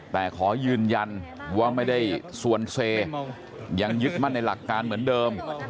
แต่ขอยืนยันว่าไม่ได้สวนเซยังยึดมั่นในหลักการเหมือนเดิม